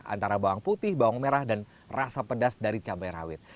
antara bawang putih bawang merah dan rasa pedas dari cabai rawit